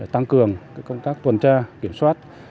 tăng cường công tác tuần tra kiểm soát